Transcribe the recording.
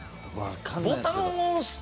ボタンを押すと。